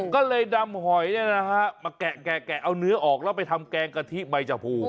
ก็เลยนำหอยมาแกะเอาเนื้อออกแล้วไปทำแกงกะทิใบชะพู